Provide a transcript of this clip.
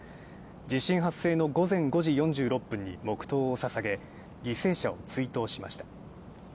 地震発生の午前５時４６分に黙祷をささげ、犠牲者を追悼しました。